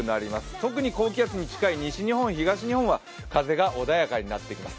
特に高気圧に近い、西日本、東日本は風が穏やかになってきます。